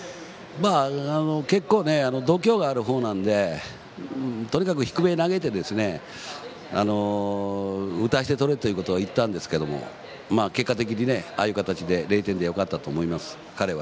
結構度胸があるほうなのでとにかく低めに投げて打たせてとれということを言ったんですけど結果的にああいう形で０点でよかったと思います。